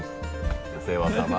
お世話さま。